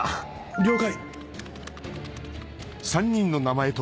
了解。